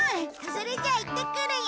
それじゃあ行ってくるよ。